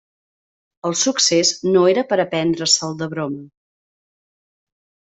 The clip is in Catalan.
El succés no era per a prendre-se'l de broma.